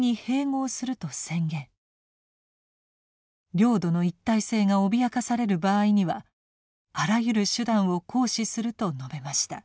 領土の一体性が脅かされる場合にはあらゆる手段を行使すると述べました。